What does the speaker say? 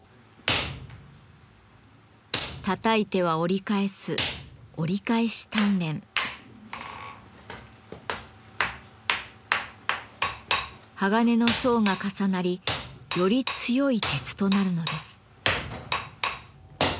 たたいては折り返す鋼の層が重なりより強い鉄となるのです。